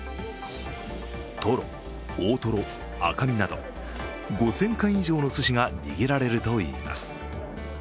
トロ、大トロ、赤身など５０００貫以上のすしが握られるといいます。